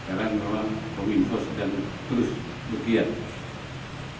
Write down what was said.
sekarang berulang kominfo sudah terus berkian